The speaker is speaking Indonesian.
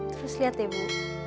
terus lihat ya ibu